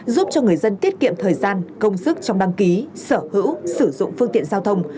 giúp cho người dân tiết kiệm thời gian công sức trong đăng ký sở hữu sử dụng phương tiện giao thông